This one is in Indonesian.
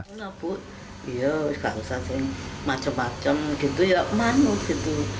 ibu iya saya harus macam macam gitu ya manu gitu